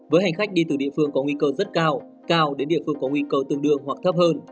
với hành khách đi từ địa phương có nguy cơ rất cao cao đến địa phương có nguy cơ tương đương hoặc thấp hơn